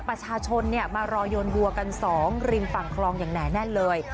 ประชาชนมารอยนวัวกัน๒ริมฝั่งคลองอย่างหนาแน่นเลย